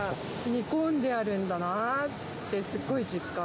煮込んであるんだなって、すごい実感。